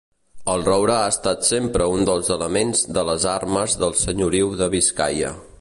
El roure ha estat sempre un dels elements de les armes del Senyoriu de Biscaia.